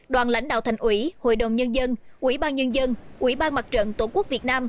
đoàn lãnh đạo thành ủy hội đồng nhân dân ủy ban nhân dân ủy ban mặt trận tổ quốc việt nam